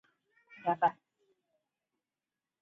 后他与同族朱仰山等迁往天津。